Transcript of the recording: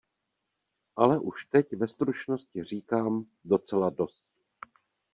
Ale už teď ve stručnosti říkám: docela dost!